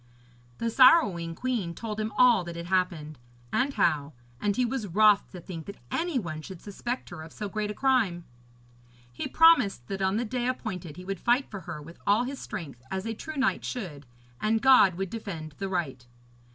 The sorrowing queen told him all that had happened, and how, and he was wroth to think that any one should suspect her of so great a crime. He promised that on the day appointed he would fight for her with all his strength, as a true knight should, and God would defend the right.